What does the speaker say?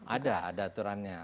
ada ada aturannya